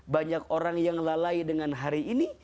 banyak orang yang lalai dengan hari ini